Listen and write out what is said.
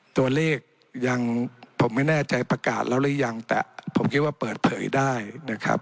ตัวเลขยังผมไม่แน่ใจประกาศแล้วหรือยังแต่ผมคิดว่าเปิดเผยได้นะครับ